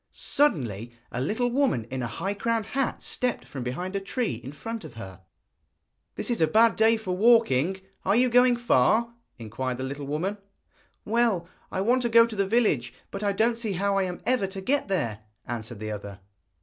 Suddenly a little woman in a high crowned hat stepped from behind a tree in front of her. 'This is a bad day for walking! Are you going far?' inquired the little woman. 'Well, I want to go to the village; but I don't see how I am ever to get there,' answered the other.